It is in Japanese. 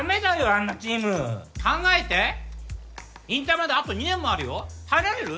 あんなチーム考えて引退まであと２年もあるよ耐えられる？